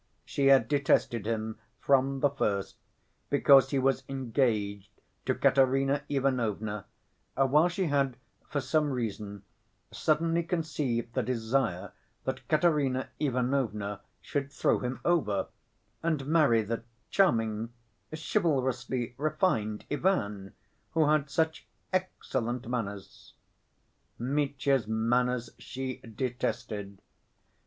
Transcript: She had detested him from the first because he was engaged to Katerina Ivanovna, while she had, for some reason, suddenly conceived the desire that Katerina Ivanovna should throw him over, and marry the "charming, chivalrously refined Ivan, who had such excellent manners." Mitya's manners she detested.